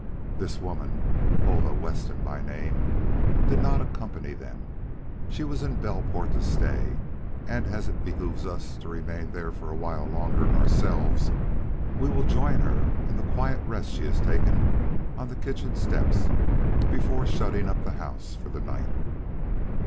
This woman, Huldah Weston by name, did not accompany them. She was in Belport to stay, and as it behooves us to remain there for a while longer ourselves, we will join her in the quiet rest she is taking on the kitchen steps before shutting up the house for the night.